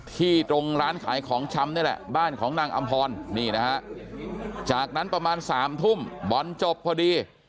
ตรงร้านขายของชำนี่แหละบ้านของนางอำพรนี่นะฮะจากนั้นประมาณ๓ทุ่มบอลจบพอดี